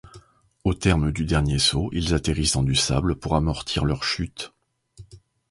Au terme du dernier saut, ils atterrissent dans du sable pour amortir leur chute.